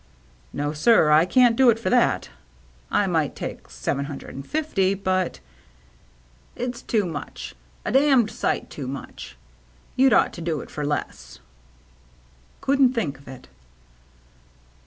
" No, sir. I can't do it for that. I might take seven hundred and fifty, but —" "It's too much, a sight too much. You*d ought to do it for less." " Couldn't think of it."